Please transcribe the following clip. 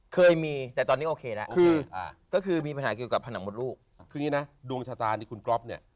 เหมือนลูกตราที่กูคุณก๊อบเนี่ย